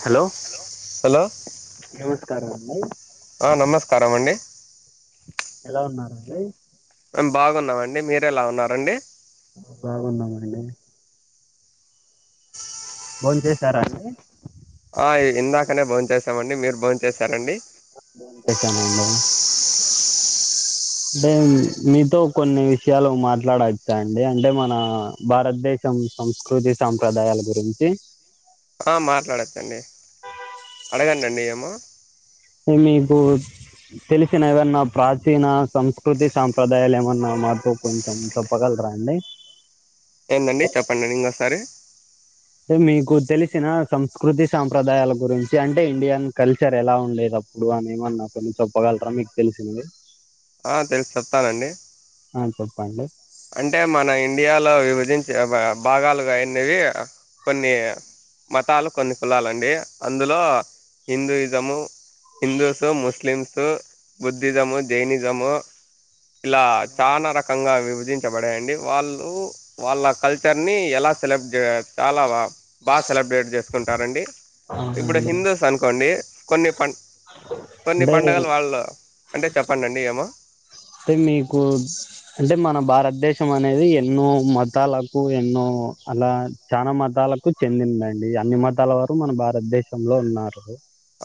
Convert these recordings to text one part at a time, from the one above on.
Hello hello ఎ కరాన్ని ఆ నమస్కారం అండి ఎలా ఉన్నారండీ బాగున్నామండి మీరు ఎలా ఉన్నారండి బాగున్నామండి బోంచేశారా అండి ఆ ఇందాకనే బోంచేసామండి మీరు బోంచేశారండి అ బోంచేశామ అంటే మీతో కొన్ని విషయాలు మాట్లాడచ్చా అండి అంటే మన భారతదేశం సంస్కృతి సాంప్రదాయాల గురించి ఆ మాట్లాడచ్చండి అడగం డండి ఏమో మీకు తెలిసిన ఏదన్నా ప్రాచీన సంస్కృతి సాంప్రదాయాలు ఏమన్నా మాతో కొంచెం చెప్పగలరా అండి ఏందండి చెప్పండి ఇంకోసారి అంటే మీకు తెలిసిన సంస్కృతి సాంప్రదాయాల గురించి అంటే ఇండియన్ కల్చర్ ఎలా ఉండేది అప్పుడు అనేమన్నా కొన్ని చెప్పగలరా మీకు తెలిసినవి ఆ తెలుసు చెస్తానండి ఆ చెప్పండి అంటే మన ఇండియాలో విభజించే బ- భాగాలుగా అయ్యిన్నేవి కొన్ని మతాలు కొన్ని కులాలండి అందులో హిందూయిజము, హిందూసు, ముస్లిమ్సు, బుద్ధిజము, జైనిజము ఇలా చానా రకంగా విభజ విధించబడాయండి వాళ్ళు వాళ్ళ కల్చర్ ని ఎలా సెలబ్ చాలా బా సెలబ్రేట్ చేసుకుంటారండి ఇప్పుడు అవునండి హిందూస్ అనుకోండి కొన్ని పం కొన్ని అంటే పండుగలు వాళ్ళు అంటే చెప్పండండి ఏమో అంటే మీకు అంటే మన భారతదేశం అనేది ఎన్నో మతాలకు ఎన్నో అలా చానా మతాలకు చెందిందండి అన్ని మతాల వారు మన భారతదేశంలో ఉన్నారు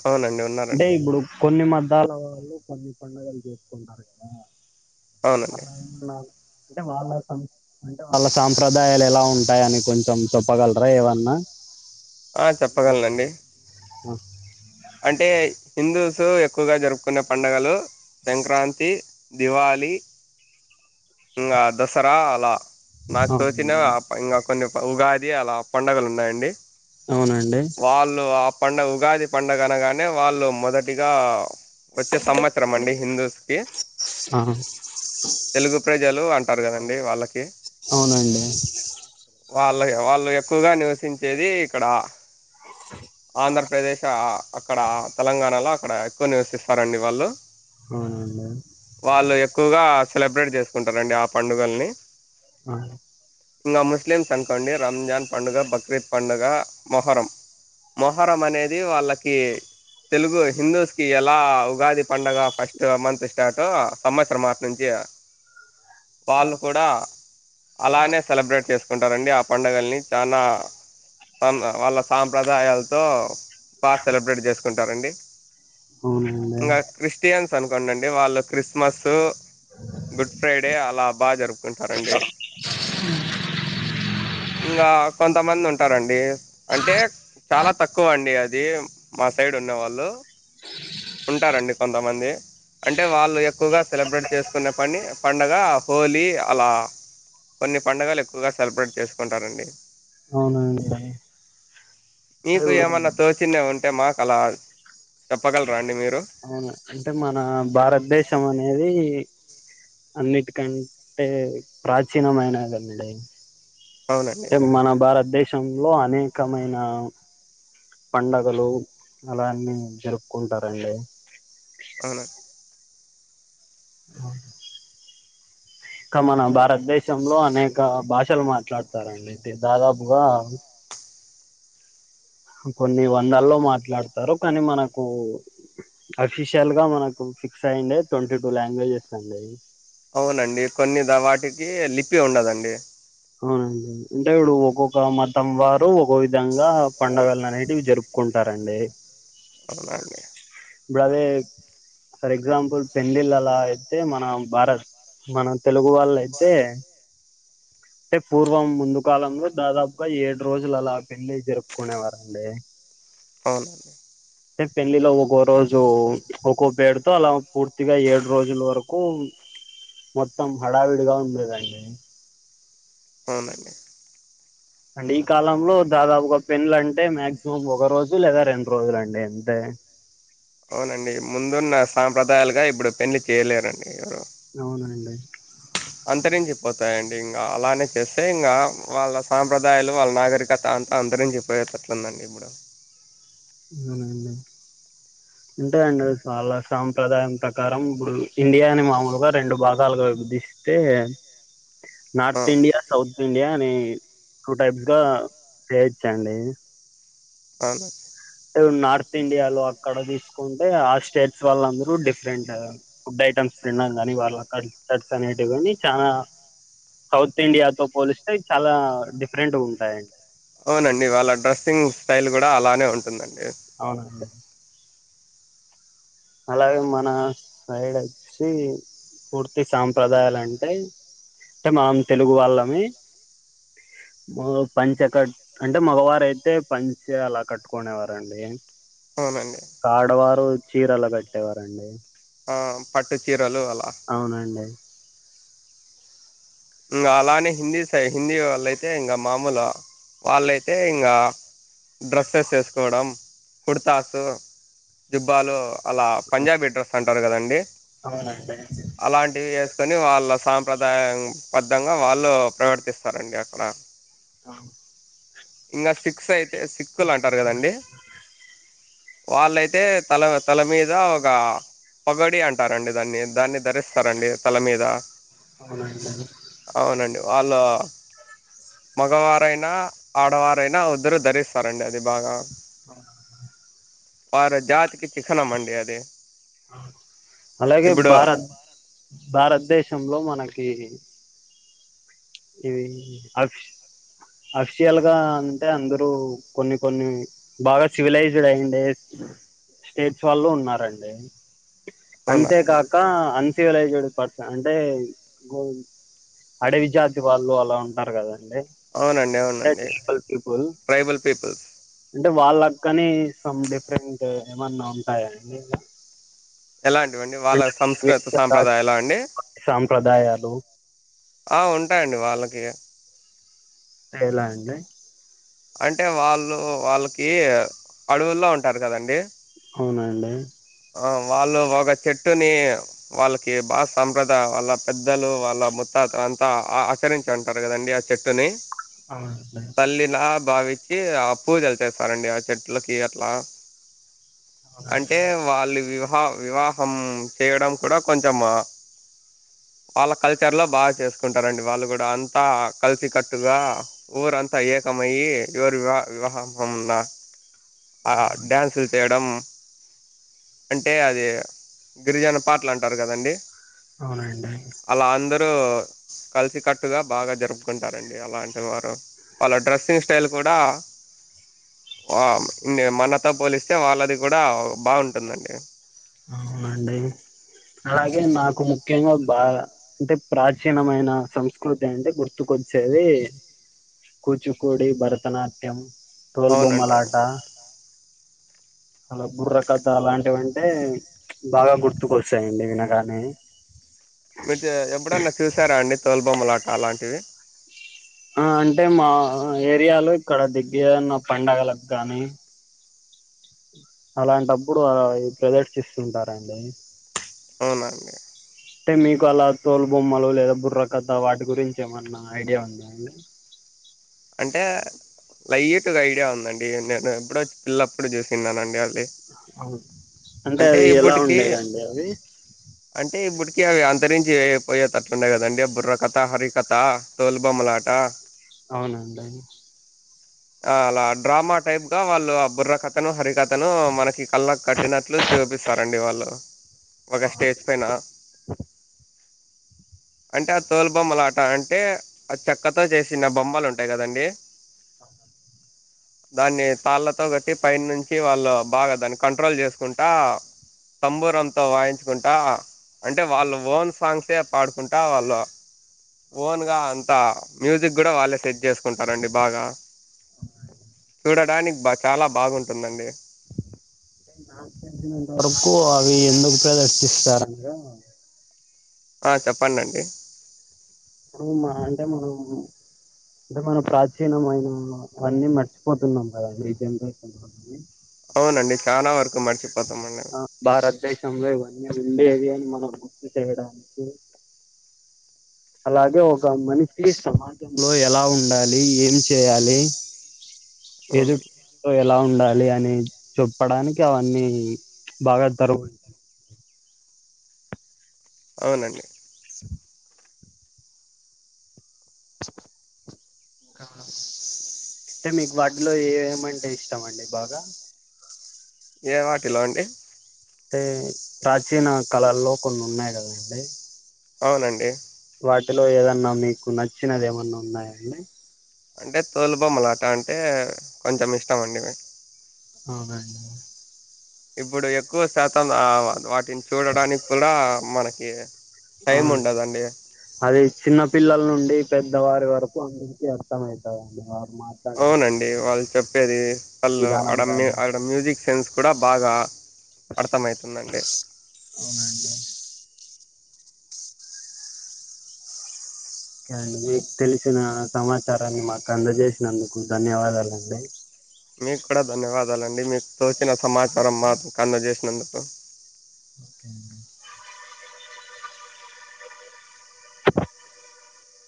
అవునండి అంటే ఉన్నారండి ఇప్పుడు కొన్ని మద్దాల వాళ్ళు కొన్ని పండుగలు చేసుకుంటారు కదా అవునండి అన్నా అంటే వాళ్ళ సం అంటే వాళ్ళ సాంప్రదాయాలు ఎలా ఉంటాయని కొంచెం చెప్పగలరా ఏవన్నా ఆ చెప్పగలనండి ఆఓ అంటే హిందూ తో ఎక్కువగా జరుపుకునే పండుగలు సంక్రాంతి దివాళి ఇంకా దసరా అలా నాకు తోచిన అవునండి ప ఇంకా కొన్నీ ఉగాది అది అలా పండుగలు ఉన్నాయండి. అవునండి వాళ్ళు ఆ పండగ ఉగాది పండుగ అనగానే వాళ్ళు మొదటిగా వచ్చే సంవత్సరం అండి హిందూస్ కి ఆ తెలుగు ప్రజలు అం స్తార్ కదండి వాళ్ళకి కి అవునండి వాళ్ళై వాళ్ ఎక్కువగా నివసించేది ఇక్కడ ఆంధ్రప్రదేశ్ ఇంక అక్కడ తెలంగాణలో అక్కడ ఎక్కువ నివసిస్తారండి వాళ్ళు అవును వాళ్ళు ఎక్కువగా సెలబ్రేట్ చేసుకుంటారండి ఆ పండుగల్ని ఆ ఇంగ ముస్లింసం వండి రంజాన్ పండుగ బక్రీద్ పండుగ మొహర్రం మొహర్రం అనేది అది వాళ్ళకి తెలుగు హిందూస్ కి ఎలా ఉగాది పండగ ఫస్ట్ మంత్ స్టార్టో సంవత్సరం మాస నుంచి వాళ్ళు కూడా అలానే సెలబ్రేట్ చేసుకు ఉంటారండి ఆ పండుగల్ని చాలా వాళ్ళ వాళ్ళ సాంప్రదాయాలతో బా సెలబ్రేట్ చేసు చేసుకుంటారండి. హ్మ్ ఉందే ఇంకా క్రిస్టియన్స్ అనుకోండండి వాళ్ళు క్రిస్మస్సు గుడ్ ఫ్రైడే అలా బా జరుపుకుంటారండి ఇంగా కొం కొంతమంది ఉంటారండి అంటే చాలా తక్కువ అండి అది ఇది మా సైడ్ ఉన్నవాళ్ళు ఉంటారండి కొంతమంది అంటే వాళ్ళు ఎక్కువగా సెలబ్రేట్ చేసుకొనే పని పండగ హోలీ అలా కొన్ని పండగలు ఎక్కువగా సెలబ్రేట్ చేసుకుంటారండి. అవునా ఇంక చిన్న ఉంటే మాకు అలా చెప్పగలరా అండి మీరు అవున అంటే మన భారతదేశం అనేది అన్నిటి కంటే ప్రాచీనమైనదండి అవునండి అంటే మన భారతదేశం లో అనేకమైన పండగలు అలా అన్ని జరుపుకుంటారండి అవును అవును ఇక మన భారతదేశంలో అనేక భాషలు మాట్లాడతారండి అంటే దాదాపుగా కొన్ని వందల్లో మాట్లాడతారు కానీ మనకు అఫీషియల్ గా మనకు ఫిక్స్ అయ్యండే ట్వంటీ టూ లాంగ్వేజెస్ అండి అవునండి కొన్నిద వాటికి లిపి ఉండదండి అవునండి అంటే ఇప్పుడు ఒక్కొక్క మతం వార్ రు ఒక విధంగా పండగల నైటివి జరుపుకుంటారండి అవునా అండి ఇప్పుడు అదే ఫర్ ఎగ్జాంపుల్ పెండ్లిళ్ళ అలా అయితే మన భారత్ మన తెలుగు వాళ్ళు అయితే అంటే పూర్వం ముందు కాలంలో దాదాపుగా ఏడు రోజులు అలా పెండ్లిళ్లు జరుపుకునేవారండి అవును టే పెళ్లిలో ఒక్కో రోజు ఒక్కో పేరుతో అలా పూర్తిగా ఏడు రోజుల వరకు మొత్తం హడావిడిగా ఉండేదండి అవునండి అండ్ ఈ కాలంలో దాదాపుగా పెన్లంటే మాక్సిమం ఒక రోజు లేదా రెండు రోజులు అండి అంతే అవునండి ముందున్న సాంప్రదాయాలుగా ఇప్పుడు పెళ్లి చేయలేరండి ఏయో అవునండి అంతరంచి పొత్ తాయండి ఇంగా అలానే చేస్తే ఇంగా వాళ్ళ సాంప్రదాయాలు వాళ్ళ నాగరికత అంతా అందరిం చెప్పయేటట్లుందండి ఇప్పుడు అవునండి ఉంటాంయడి వాళ్ళ సాంప్రదాయం ప్రకారం ఇప్పుడు ఇండియాని మామూలుగా రెండు భాగాలుగా విభజిస్తే ఆ నార్త్ ఇండియా సౌత్ ఇండియా అని టూ టైప్స్ గా చేయొచ్చండి అవును అంటే నార్త్ ఇండియాలో అక్కడ తీసుకుంటే ఆ స్టేట్స్ వాళ్ళ అందరూ డిఫరెంట్ ఫుడ్ ఐటమ్స్ తిండం కాని వాళ్ళ కల్చర్స్ అనేటివని చానా సౌత్ ఇండియాతో పోలిస్తే చాలా డిఫరెంట్ ఉంటాయండి అవునండి వాళ్ళ డ్రెస్సింగ్ స్టైల్ కూడా అలానే ఉంటుందండి అవునండి అలాగే మన సైడ్ ఒచ్చి పూర్తి సాంప్రదాయాలు అంటే టే మనం తెలుగు వాళ్ళమీ పంచ కట్ అంటే మగవారు అయితే పంచ అలా కట్టుకునేవారండి అవునండి ఆడవారు ఒచ్చి చీరల కట్టేవారండి ఆ పట్టు చీర అవునండి ఇంగా అలానే హిందీ సై హిందీ వాళ్ళయితే ఇంగా మామూలు వాళ్ళయితే ఇంగా డ్రస్సెస్ వేసుకోవడం కుర్తాస్ జుబ్బాలు అలా పంజాబీ డ్రస్ అం టరు కదండి అవునండి కని వాళ్ళ సాంప్రదాయం బద్ధంగా వాళ్ళు ప్రవర్తిస్తారండి అక్కడ అహ్ ఇంగ సిక్స్ యి టే సిక్కులు అంటారు కదండి వాళ్ళయితే తల తల మీద ఒక పొగడి అంటారండి దాన్ని దాన్ని ధరిస్తారండి తల మీద అవునంట అవునండి వాళ్ళు మగవారైనా ఆడవారైనా అవు ఇద్దరు ధరిస్తారండి అది బాగా అ వారు జాతికి చిహ్నం అండి అది అలాగే ఇప్పుడు భారత్ భారత దేశ విషయం లో మనకి ఇవి అఫిషియల్గా అంటే అందరూ కొన్ని కొన్ని బాగా సివిలైజ్డ్ అయిండే స్టేట్స్ వాళ్ళు ఉన్నారండి అవునండి అంతేకాక అం సివిలైజ్డ్ పర్సన్ అంటే అడ విద్యార్థి వాళ్ళు అలా ఉంటారు కదండి అవునండి అవునండి పీపుల్ ట్రైబల్ పీపుల్స్ అంటే వాళ్ళ కాని సం డిఫరెంట్ ఏమన్నా ఉంటాయాండి ఇ ఎలాంటివండి వాళ్ళ సంస్కృతి సాంప్రదాయలా అండి సాంప్రదాయాలు ఆ ఉంటాయండి వాళ్లకి ఏలా అండి అంటే వాళ్ళు వాళ్ళకి ఈ అడవుల్లో ఉంటారు కదండి అవునా అండి ఆ వాళ్ళు ఒక చెట్టుని వాళ్ళకి బాగ సాంప్రదాయ వాళ్ళ పెద్దలు వాళ్ళ మత్తాతలు అంతా ఆచరించి ఉంటారు కదండి ఆ చెట్టుని అవునండి తల్లి లా బావిచ్చి ఆ పూజలు చేస్తారండి ఆ చెట్లకి అట్లా అవున అంటే అండి వాళ్ళు వివాహ వివాహం చేయడం కూడా కొంచెం వాళ్ళ కల్చర్ లో బాగా చేసుకుంటారండి వాళ్ళు కూడా అ అంతా కలిసి కట్టుగా ఊరంతా ఏకమయ్యి ఎవరు వివా వివాహమున్న ఆ డ్యాన్సులు చేయడం అంటే అది గిరిజన పాటలు అంటారు కదండి అవునండి అలా అందరూ కలిసి కట్టుగా బాగా జరుపుకుంటారండి అలాంటి వారు వాళ్ళ డ్రెస్సింగ్ కూడా ఆ మనతో పోలిస్తే వాళ్ళది కూడా బాగుంటు టుందండి అవునండి అలాగే నాకు ముఖ్యంగా బా అంటే ప్రాచీనమైన సంస్కృతి అంటే గుర్తుకొచ్చేది కూచిపూడి, భరతనాట్యం టోల్ అవునండి బొమ్మలాట అలా బుర్రకథ అలాంటివంటి అంటే బాగా గుర్తుకొస్తాయండి వినగానే మీరు ఎబ్బుడన్నా చూసారా అండి తోలు బొమ్మలాట అలాంటివి ఆ అంటే మా ఏరియాలో ఇక్కడ దిగ్గన్న పండగలకు గానీ అలాంటప్పుడు ప్రదర్శిస్తుంటారండి అవునా అండి అంటే మీకు అలా తోలు బొమ్మలు లేదా బుర్ర కథ వాటి గురించి ఏమన్నా ఐడియా ఉందా అండి అంటే లైట్గా ఐడియా ఉందండి నేను ఎప్పుడోచ్చి పిల్లప్పుడు చూసిన్నానండి అ అవును అంటే అది ఎలా ఇప్పటికి ఉండేదండి అవి అంటే ఇప్పటికి అవి అంతరించి పోయేటట్లుండయి కదండి బుర్ర కథ హరికథ తోల్ బొమ్మలాట అవునండి ఆ అలా డ్రామా టైప్ గా వాళ్ళు ఆ బుర్రకథ ను హరికథ అతను మనకి కళ్ళ కట్టినట్లు చూపిస్తారండి వాళ్ళు ఒక స్టేజ్ పైన అంటే ఆ తోలు బొమ్మలాట అంటే ఆ చెక్కతో చేసిన బొమ్మలు ఉంటాయి కదండి దాన్ని తాళ్ళతో కట్టి పైనుంచి వాళ్ళు బాగా దాన్ని కంట్రోల్ చేసుకుంటా సంబూరంతో వాయించుకుంటా అంటే వాళ్ళు ఓన్ సాంగ్సే పాడుకుంటా వాళ్ళు ఓన్గా అంత మ్యూజిక్ కూడా వాళ్ళే సెట్ చేసుకుంటారండి బాగా అవునా అండి చూడడానికి బా చాలా బాగుంటుందండి నాకితెలిసినంతవరకు అవి ఎందుకు ప్రదర్శిస్తారనగా ఆ చెప్పండండి మ అంటే మనం అంటే మనం ప్రాచీనమైన అవన్నీ మర్చిపోతున్నాం కదండి జెనరేషన్లో అవునండి చానా వరకు మర్చి భారతదేశంలో ఇవన్నీ ఉండేది అని మనం గుర్తు చేయడానికి అలాగే ఒక మనిషి సమాజంలో ఎలా ఉండాలి ఏమి చేయాలి ఎదు అవునండి. ఎలా ఉండాలి అని చెప్పడానికి అవన్నీ బాగా తరువ అవునండి అంటే మీకు వాటి లో ఏమంటే ఇష్టమండి బాగా ఏ వాటిలో అండి అంటే ప్రాచీన కళల్లో కొన్ని ఉన్నాయి కదండి అవునండి వాటిలో ఏదన్నా మీకు నచ్చినది ఏమన్నా ఉన్నాయా అండి అంటే తోలు బొమ్మలాట అంటే కొంచెం ఇష్టం అండి అవునా అండి ఇప్పుడు ఎక్కువ శాతం ఆ వా టిని చూడడానికి కూడా మన ఆ అది చిన్న పిల్లల్ నుండి. పెద్దవారి వరకు అందరికీ అర్థమైతదండి. అవునండి వాళ్లు చెప్పేది. వాళ్ళు విధానం ఆడ మ్యూ గాని ఆడ మ్యూజిక్ సెన్స్ కూడా బాగా అర్థమైతుందండి. అవునండి ఓకే అండి. మీకు తెలిసిన సమాచారాన్ని మాకు అందజేసినందుకు ధన్యవాదాలండి. మీకు కూడా ధన్యవాదాలండి. మీకు తోచిన సమాచారం మాకు అందజేసినందుకు. ఓకే అండి